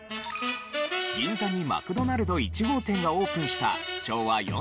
銀座にマクドナルド１号店がオープンした昭和４６年。